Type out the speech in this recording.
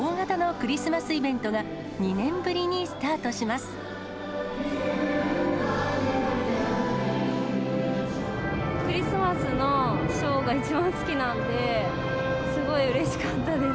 クリスマスのショーが一番好きなんで、すごいうれしかったです。